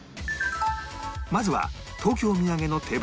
まずは東京土産の定番